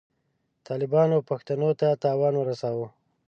طالبانو پښتنو ته تاوان ورساوه.